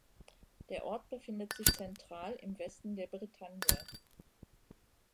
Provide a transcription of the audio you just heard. Der Ort befindet sich zentral im Westen der Bretagne.